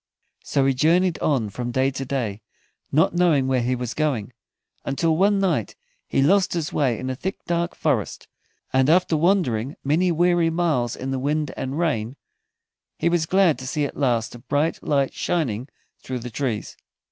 So he journeyed on from day to day, not knowing where he was going, until one night he lost his way in a thick dark forest, and after wandering many weary miles in the wind and rain he was glad to see at last a bright light shining through the trees.